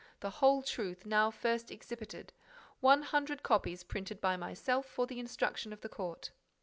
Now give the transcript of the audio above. The Whole Truth now first exhibited. One hundred copies printed by myself for the instruction of the Court.